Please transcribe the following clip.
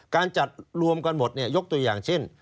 การจัดรวมกันหมดยกตัวอย่างเช่น